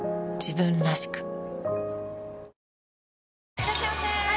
いらっしゃいませ！